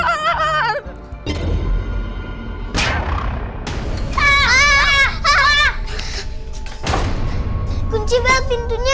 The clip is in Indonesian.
cepetan banget kunci pintunya